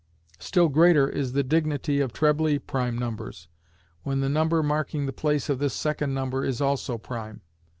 Still greater is the dignity of trebly prime numbers; when the number marking the place of this second number is also prime.